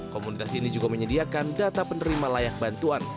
komunitas ini juga menyediakan data penerima layak bantuan